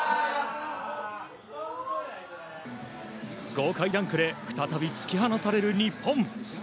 豪快ダンクで再び突き放される日本。